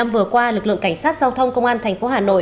vừa qua lực lượng cảnh sát giao thông công an thành phố hà nội